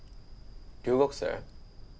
留学生？